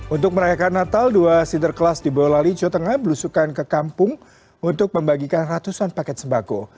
untuk merayakan natal dua sinter kelas di bawah lali jawa tengah berusukan ke kampung untuk membagikan ratusan paket sembako